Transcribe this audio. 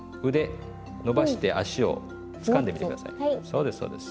そうですそうです。